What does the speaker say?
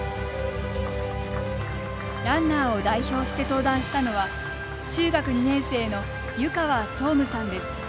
ランナーを代表して登壇したのは中学２年生の湯川総夢さんです。